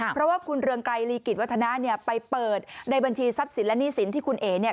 เพราะว่าคุณเรืองไกรลีกิจวัฒนาเนี่ยไปเปิดในบัญชีทรัพย์สินและหนี้สินที่คุณเอ๋เนี่ย